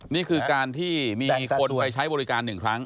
นี่คือการที่มีคนไปใช้บริการ๑ครั้ง